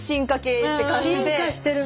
進化してるの。